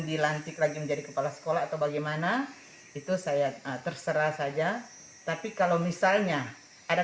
dilantik lagi menjadi kepala sekolah atau bagaimana itu saya terserah saja tapi kalau misalnya ada